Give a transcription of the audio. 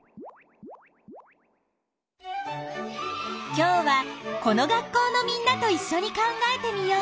今日はこの学校のみんなといっしょに考えてみよう。